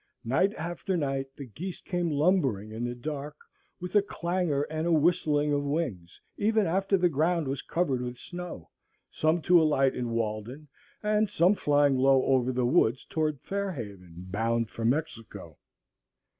Night after night the geese came lumbering in in the dark with a clangor and a whistling of wings, even after the ground was covered with snow, some to alight in Walden, and some flying low over the woods toward Fair Haven, bound for Mexico.